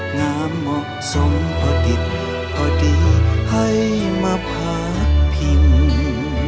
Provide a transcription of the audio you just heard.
งามเหมาะสมพอดิตพอดีให้มาพาดพิมพ์